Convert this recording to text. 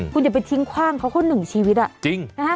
คุณอย่าไปทิ้งคว่างเขาก็หนึ่งชีวิตอ่ะจริง